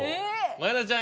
前田ちゃん